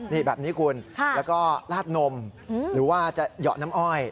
นี่แบบนี้คุณแล้วก็ลาดนมหรือว่าจะเหยาะน้ำอ้อย